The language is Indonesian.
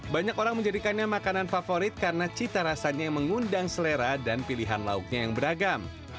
banyak orang menjadikannya makanan favorit karena cita rasanya yang mengundang selera dan pilihan lauknya yang beragam